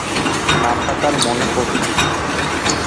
নামটা তার মনে পড়ছে না।